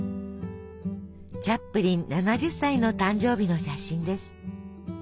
チャップリン７０歳の誕生日の写真です。